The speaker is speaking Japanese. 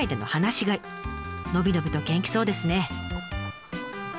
伸び伸びと元気そうですね。